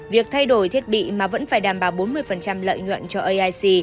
việc thay đổi thiết bị mà vẫn phải đảm bảo bốn mươi lợi nhuận cho aic